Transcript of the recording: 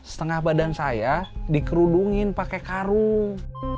setengah badan saya di kerudungin pake karung